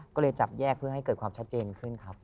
ก็เลยจับแยกเพื่อให้เกิดความชัดเจนขึ้นครับ